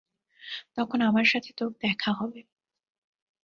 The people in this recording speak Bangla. তখন আমার সাথে তোর দেখা হবে।